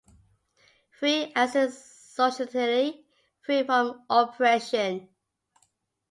Free, as in societally free from oppression